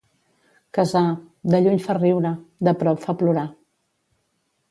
Casar... de lluny fa riure; de prop, fa plorar.